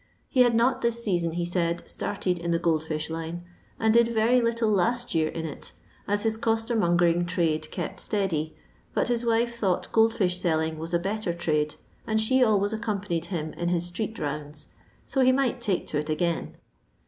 He had not this season, he said, started in the Sild fish line, and did very little last year in it, as s costermongering trade kept steady, but his wife thought gold fish selling was a better trade, and she always accompanied him in his street rounds ; so he might take to it again.